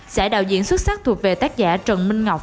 sẽ đạo diễn xuất sắc thuộc về tác giả trần minh ngọc